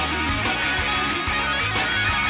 ขอเสียงหน่อยครับ